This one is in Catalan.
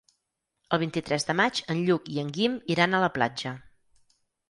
El vint-i-tres de maig en Lluc i en Guim iran a la platja.